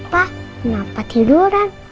papa kenapa tiduran